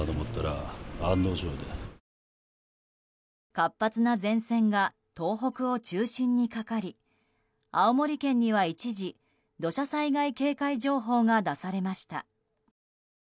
活発な前線が東北を中心にかかり青森県には一時土砂災害警戒情報が出されました。